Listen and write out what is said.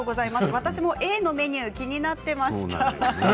私もＡのメニューが気になっていました。